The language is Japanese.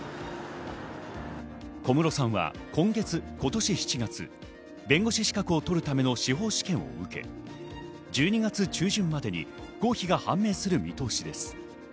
小室さんは今年７月、弁護士資格を取るための司法試験を受け、１２月中旬までに合否が判明する見通しです。